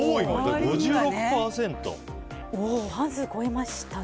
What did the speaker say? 半数を超えましたね。